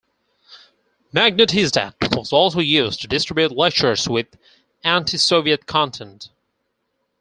Magnitizdat was also used to distribute lectures with anti-Soviet content.